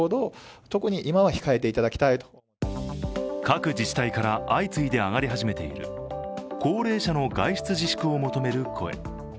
各自治体から相次いで上がり始めている高齢者の外出自粛を求める声。